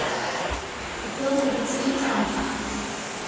The film produced two soundtracks.